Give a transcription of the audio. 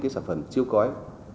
sản phẩm chiêu cõi